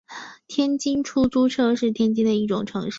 天津出租车是天津的一种城市交通方式。